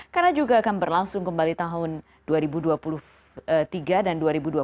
karena juga akan berlangsung kembali tahun dua ribu dua puluh tiga dan dua ribu dua puluh tiga